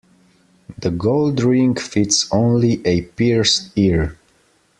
The gold ring fits only a pierced ear.